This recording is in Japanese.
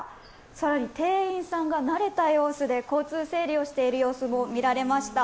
更に店員さんが慣れた様子で交通整理をしている様子も見られました。